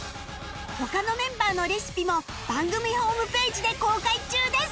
他のメンバーのレシピも番組ホームページで公開中です